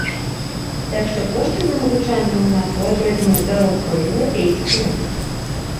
Так што кошты за навучанне ў нас, у адрозненне ад заробкаў, еўрапейскія.